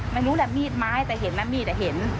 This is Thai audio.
ไม่รู้แหละมีดไม้แต่เห็นไหมมีดเห็น